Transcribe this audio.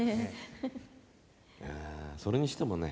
いやそれにしてもね。